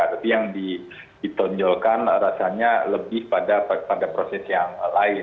tapi yang ditonjolkan rasanya lebih pada proses yang lain